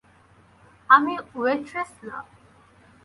আমি ওয়েট্রেস না।